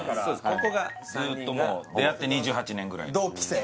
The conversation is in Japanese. ここが３人がずっともう出会って２８年ぐらい同期生？